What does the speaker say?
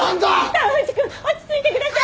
川藤君落ち着いてください！